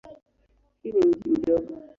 Hii ni mji mdogo.